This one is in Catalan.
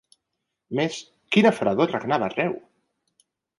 Més, quina fredor regnava arreu!